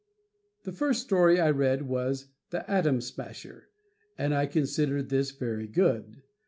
The first story I read was "The Atom Smasher," and I considered this very good.